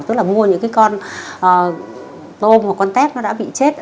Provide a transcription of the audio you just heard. tức là mua những cái con tôm hoặc con tép nó đã bị chết